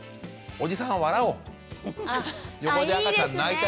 おじさん笑おう。